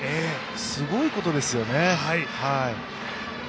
すごいことですよね。